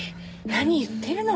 何言ってるの。